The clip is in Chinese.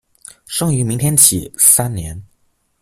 生于明天启三年。